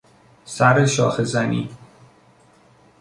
سر شاخه زنی